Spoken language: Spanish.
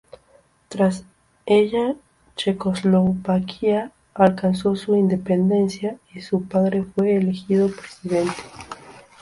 Tras ella, Checoslovaquia alcanzó su independencia y su padre fue elegido presidente.